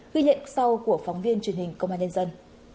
ghi nhận sau của phóng viên truyền hình công an nhân dân